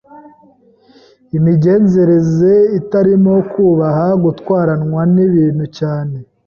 imigenzereze itarimo kubaha, gutwarwa n’ibintu cyane